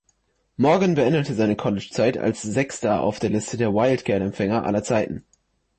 Morgan beendete seine College-Zeit als Sechster auf der Liste der Wildcat-Empfänger aller Zeiten.